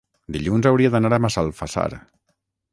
Dilluns hauria d'anar a Massalfassar.